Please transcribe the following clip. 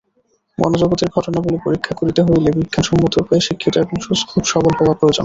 মনোজগতের ঘটনাবলী পরীক্ষা করিতে হইলে বিজ্ঞানসম্মত উপায়ে শিক্ষিত এবং খুব সবল হওয়া প্রয়োজন।